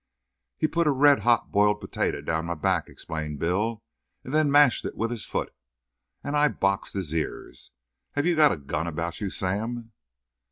"He put a red hot boiled potato down my back," explained Bill, "and then mashed it with his foot; and I boxed his ears. Have you got a gun about you, Sam?"